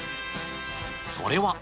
それは。